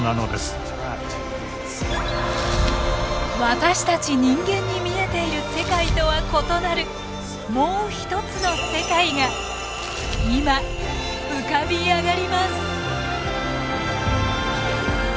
私たち人間に見えている世界とは異なるもうひとつの世界が今浮かび上がります。